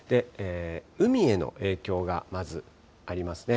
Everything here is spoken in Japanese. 海への影響がまずありますね。